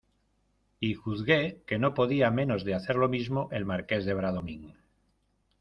y juzgué que no podía menos de hacer lo mismo el Marqués de Bradomín.